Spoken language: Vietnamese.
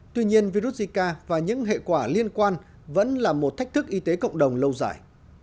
tuy nhiên virus zika và những hệ quả liên quan vẫn là một thách thức y tế cộng đồng lâu dài